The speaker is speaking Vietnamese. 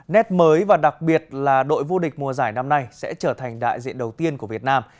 nét mới và đặc biệt là đội vô địch mùa giải năm nay sẽ trở thành đại diện đầu tiên của việt nam